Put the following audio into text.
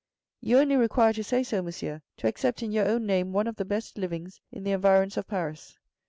You only require to say so, monsieur, to accept in your own name one of the best livings in the environs of Paris.